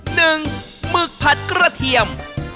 หมึกผัดกระเทียม